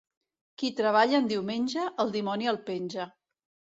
Qui treballa en diumenge, el dimoni el penja.